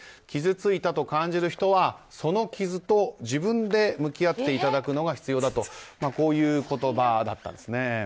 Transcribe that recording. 傷ついたと感じる人はその傷と自分で向き合っていただくのが必要だという言葉だったんですね。